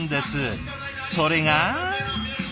それが？